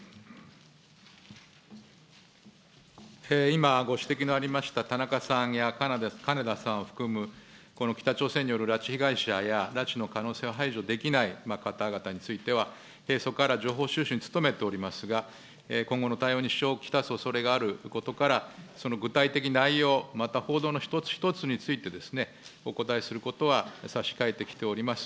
今、ご指摘のありました、たなかさんやかねださんを含む、この北朝鮮による拉致被害者や、拉致の可能性を排除できない方々については、平素から情報収集に努めておりますが、今後の対応に支障を来すおそれがあることから、その具体的内容、また報道の一つ一つについて、お答えすることは差し控えてきております。